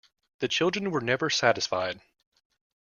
The children were never satisfied.